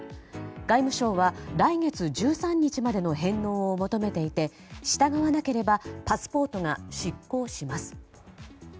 外務省は、来月１３日までの返納を求めていて従わなければパスポートが失効します。